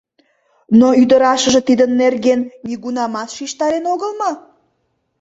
— Но ӱдырашыже тидын нерген нигунамат шижтарен огыл мо?